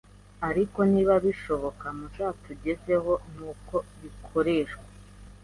ariko niba bishoboka muzatugezeho nuko bikoreshwa